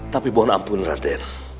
tapi mohon ampun raden